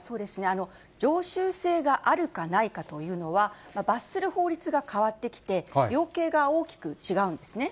常習性があるかないかというのは、罰する法律が変わってきて、量刑が大きく違うんですね。